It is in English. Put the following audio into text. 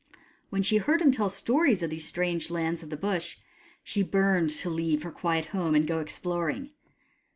When she heard him tell stories of these strange lands of the Bush, she burned to leave her quiet home and go exploring.